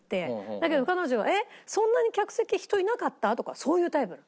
だけど彼女は「えっそんなに客席人いなかった？」とかそういうタイプ。